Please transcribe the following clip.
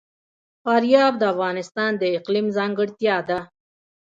فاریاب د افغانستان د اقلیم ځانګړتیا ده.